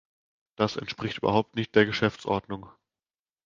Das entspricht überhaupt nicht der Geschäftsordnung .